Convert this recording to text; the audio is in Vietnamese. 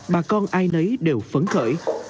bà con ai nấy đều phấn khởi